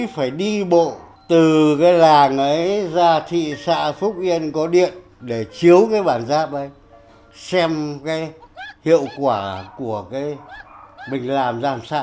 phải đi bộ từ cái làng ấy ra thị xã phúc yên có điện để chiếu cái bản giáp ấy xem cái hiệu quả của cái mình làm làm sao